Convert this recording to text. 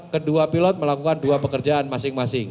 kedua pilot melakukan dua pekerjaan masing masing